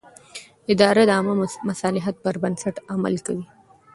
اداره د عامه مصلحت پر بنسټ عمل کوي.